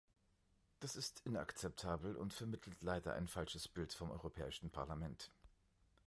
Das ist inakzeptabel und vermittelt leider ein falsches Bild vom Europäischen Parlament.